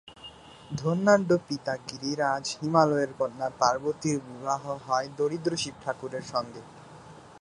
ধনাঢ্য পিতা গিরিরাজ হিমালয়ের কন্যা পার্বতীর বিবাহ হয় দরিদ্র শিবঠাকুরের সঙ্গে।